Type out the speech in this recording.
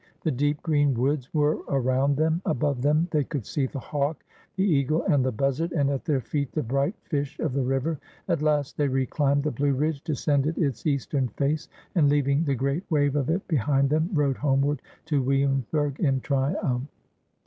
The deep green woods were around them; above them they could see the hawk, the eagle, and the buz zard, and at their feet the bright fish of the river. At last they redimbed the Blue Ridge, descended its eastern face, and, leaving the great wave of it behind them, rode homeward to Williamsburg in triumph.